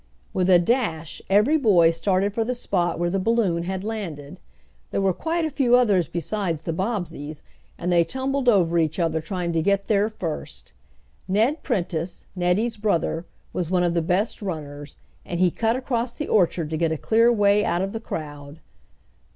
With a dash every boy started for the spot where the balloon had landed. There were quite a few others besides the Bobbseys, and they tumbled over each other trying to get there first. Ned Prentice, Nettie's brother, was one of the best runners, and he cut across the orchard to get a clear way out of the crowd.